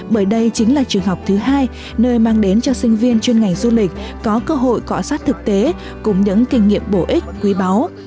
bởi đây chính là trường học thứ hai nơi mang đến cho sinh viên chuyên ngành du lịch có cơ hội cọ sát thực tế cùng những kinh nghiệm bổ ích quý báu